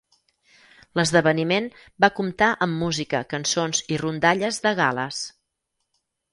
L'esdeveniment va comptar amb música, cançons i rondalles de Gal·les.